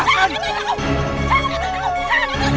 sembilan kali cukup